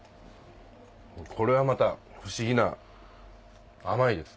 これはまた不思議な甘いです。